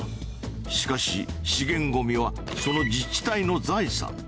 しかし資源ごみはその自治体の財産。